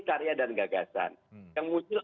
karya dan gagasan yang muncul